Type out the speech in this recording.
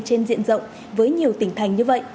trên diện rộng với nhiều tỉnh thành như vậy